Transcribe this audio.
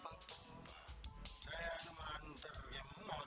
saya cuma hantar yang mau